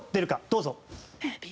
どうぞ。